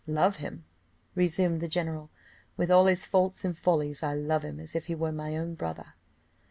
"Love him!" resumed the general; "with all his faults and follies, I love him as if he were my brother."